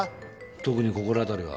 特に心当たりは。